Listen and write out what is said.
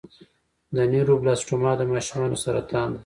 د نیوروبلاسټوما د ماشومانو سرطان دی.